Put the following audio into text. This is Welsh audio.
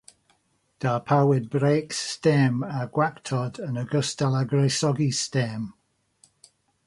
Darparwyd brêcs stêm a gwactod, yn ogystal â gwresogi stêm.